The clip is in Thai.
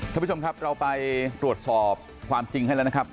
ทุกคุณผู้ชมเราไปตรวจสอบความจริงให้ละนะครับ